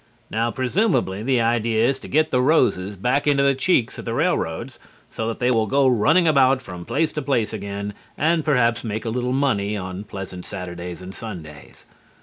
Now presumably the idea is to get the roses back into the cheeks of the railroads, so that they will go running about from place to place again and perhaps make a little money on pleasant Saturdays and Sundays.